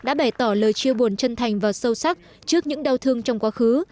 đã bày tỏ lời chia buồn chân thành và sâu sắc trước những đau thương trong quá khứ